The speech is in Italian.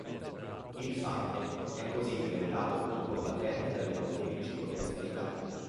Il fante è così diventato un combattente dalle molteplici potenzialità.